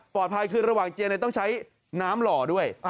ภัยคือระหว่างเจียต้องใช้น้ำหล่อด้วย